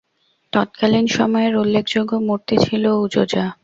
তৎকালীন সময়ের উল্লেখযোগ্য মূর্তি ছিল উযযা।